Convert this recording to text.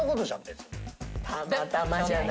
たまたまじゃない。